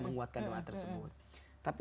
menguatkan doa tersebut tapi